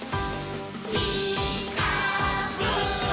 「ピーカーブ！」